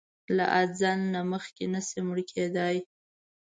له اځل نه مخکې نه شې مړ کیدای!